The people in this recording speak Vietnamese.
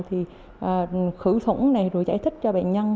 thì khử khuẩn này rồi giải thích cho bệnh nhân